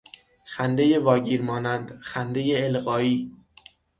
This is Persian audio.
خندهی واگیر مانند، خندهی القایی